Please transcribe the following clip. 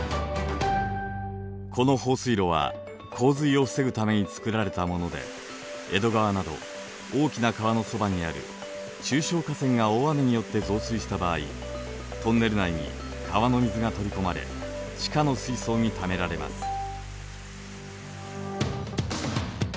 この放水路は洪水を防ぐためにつくられたもので江戸川など大きな川のそばにある中小河川が大雨によって増水した場合トンネル内に川の水が取り込まれ地下の水槽にためられます。